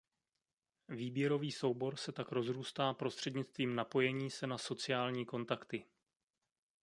Výběrový soubor se tak rozrůstá prostřednictvím napojení se na sociální kontakty.